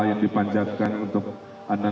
yang dipanjatkan untuk anda